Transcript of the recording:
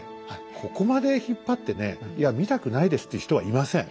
ここまで引っ張ってねいや見たくないですって人はいません。